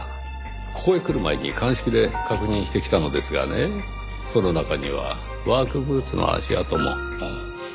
ここへ来る前に鑑識で確認してきたのですがねその中にはワークブーツの足跡も。